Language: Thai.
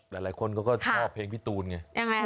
หลายคนเขาก็ชอบเพลงพี่ตูนไง